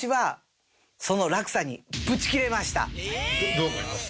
どう思います？